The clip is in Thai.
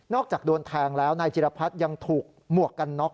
อกจากโดนแทงแล้วนายจิรพัฒน์ยังถูกหมวกกันน็อก